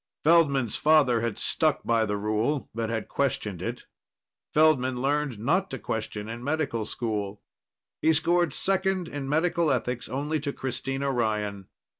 Feldman's father had stuck by the rule but had questioned it. Feldman learned not to question in medical school. He scored second in Medical Ethics only to Christina Ryan.